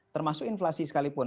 termasuk inflasi sekalipun